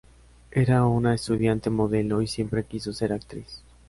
Era una estudiante modelo y siempre quiso ser actriz.